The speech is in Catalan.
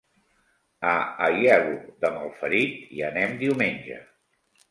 A Aielo de Malferit hi anem diumenge.